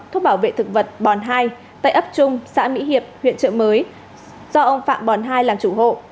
thuốc bảo vệ thực vật bòn hai tại ấp trung xã mỹ hiệp huyện trợ mới do ông phạm bòn hai làm chủ hộ